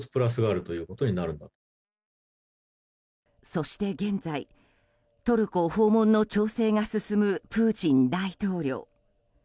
そして現在、トルコ訪問の調整が進むプーチン大統領。